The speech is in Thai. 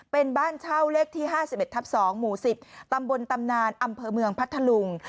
เป็นบ้านเช่าเลขที่๕๑ทับ๒หมู่๑๐ตำบลตำนานอำเภอเมืองพัทธลุง